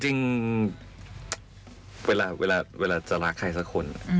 จริงเวลาจะรักใครสักคน